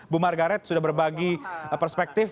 bu margaret sudah berbagi perspektif